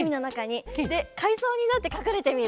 でかいそうになってかくれてみる。